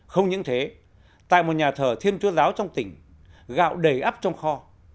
không những thế tại một nhà thờ thiên chúa giáo trong tỉnh gạo đầy áp trong kho